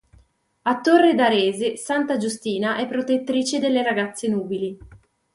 A Torre d'Arese, santa Giustina è protettrice delle ragazze nubili.